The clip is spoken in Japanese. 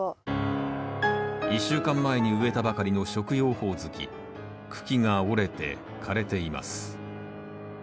１週間前に植えたばかりの茎が折れて枯れています